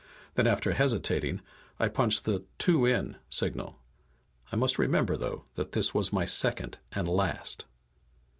Then, after hesitating, I punched the "two in" signal. I must remember, though, that this was my second and last.